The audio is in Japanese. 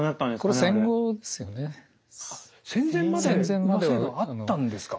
戦前まで乳母制度あったんですか。